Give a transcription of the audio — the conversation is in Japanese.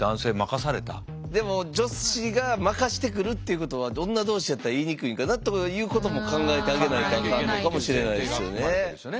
でも女子が任してくるっていうことは女同士やったら言いにくいんかなとかいうことも考えてあげないとあかんのかもしれないですよね。